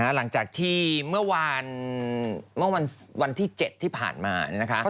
หลังจากที่เมื่อวานวันที่๗ที่ผ่านมา